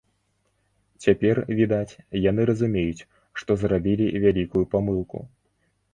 Цяпер, відаць, яны разумеюць, што зрабілі вялікую памылку.